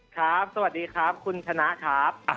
สวัสดีครับคุณชนะครับ